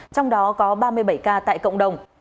trong đó có ba mươi bảy ca tại cộng đồng